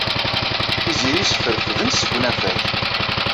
Tiziri sferfden-tt deg unafag.